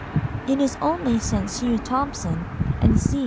It is only since Hugh Thompson and C.